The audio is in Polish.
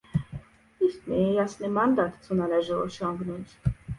Istnieje jasny mandat, co należy osiągnąć